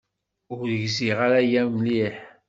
Ur gziɣ ara aya mliḥ.